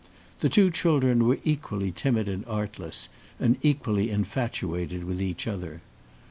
The two children were equally timid and artless, and equally infatuated with each other.